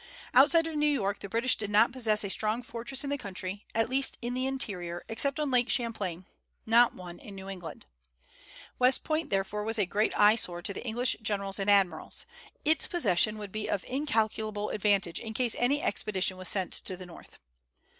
Outside of New York the British did not possess a strong fortress in the country, at least in the interior, except on Lake Champlain, not one in New England. West Point, therefore, was a great eyesore to the English generals and admirals. Its possession would be of incalculable advantage in case any expedition was sent to the North.